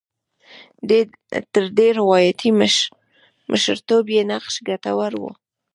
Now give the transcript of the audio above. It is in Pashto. تر دې روایاتي مشرتوب یې نقش ګټور و.